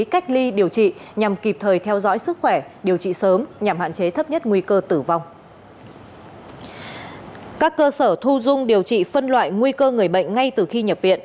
các cơ sở thu dung điều trị phân loại nguy cơ người bệnh ngay từ khi nhập viện